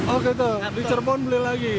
oh gitu di cerbon beli lagi